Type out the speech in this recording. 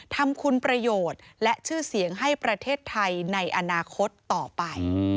ทำคุณประโยชน์และชื่อเสียงให้ประเทศไทยในอนาคตต่อไป